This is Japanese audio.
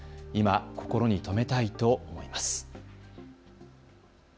今、心に留めたいと思います。